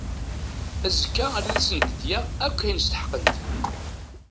Azekka ad asent-d-yaɣ akk ayen steḥqent.